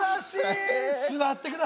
すわってください。